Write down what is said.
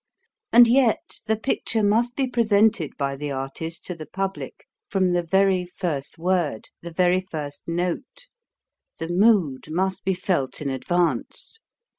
And yet the picture must be presented by the artist to the public from the very first word, the very first note; the mood must be felt in advance.